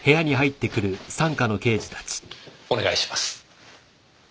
お願いします。